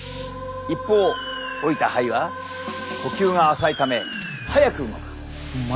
一方老いた肺は呼吸が浅いため速く動く。